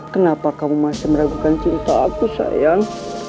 kenapa kamu masih meragukan cinta aku sayang